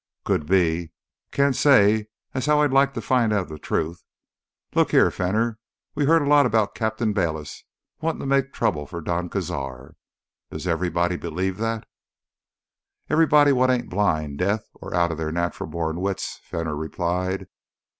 "Could be. Can't say as how I'd like to find out the truth. Look here, Fenner, we've heard a lot about Captain Bayliss wantin' to make trouble for Don Cazar. Does everybody believe that?" "Everybody wot ain't blind, deef, or outta their natural born wits," Fenner replied.